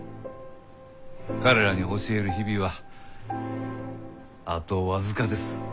彼らに教える日々はあと僅かです。